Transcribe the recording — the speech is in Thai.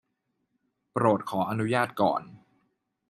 โปรดขออนุญาตก่อน